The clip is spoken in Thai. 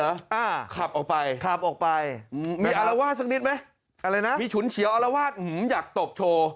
อ่าขับออกไปขับออกไปมีอลวาสสักนิดไหมมีฉุนเฉียวอลวาสอยากตบโชว์